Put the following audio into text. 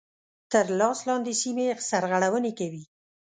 تر لاس لاندي سیمي سرغړوني کوي.